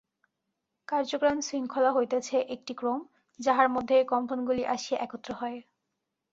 কার্য-কারণ-শৃঙ্খলা হইতেছে একটি ক্রম, যাহার মধ্যে কম্পনগুলি আসিয়া একত্র হয়।